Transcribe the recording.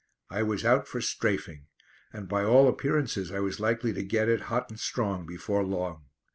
I was out for "strafing," and by all appearances I was likely to get it hot and strong before long.